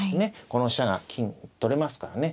この飛車が金取れますからね。